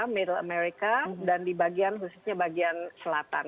middle america dan di bagian khususnya bagian selatan